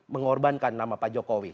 mengorbankan nama pak jokowi